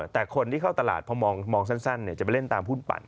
แต่คนที่เข้าตลาดพอมองสั้นจะไปเล่นตามหุ้นปั่น